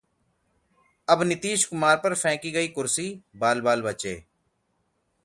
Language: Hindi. अब नीतीश कुमार पर फेंकी गई कुर्सी, बाल-बाल बचे